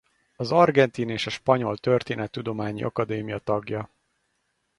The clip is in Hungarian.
Az argentin és a spanyol Történettudományi Akadémia tagja.